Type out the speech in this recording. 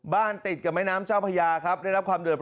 บ้านติดกับไม้น้ำเจ้าพญาคร๊อป